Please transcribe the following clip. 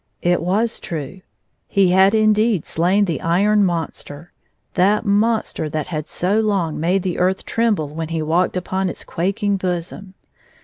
It was true; he had indeed slain the iron monster, that monster that had so long made the earth tremble when he walked upon its quaking bosom.